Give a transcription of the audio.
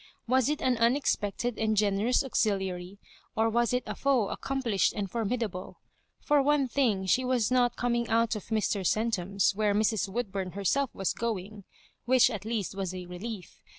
Was it an unexpected and generous auxiliary, or was it a foe accomplished and formi dable? For one thing, she was not coming out of Mr. Centum's, where Mrs. Woodbum herself was going, which at least was a relief.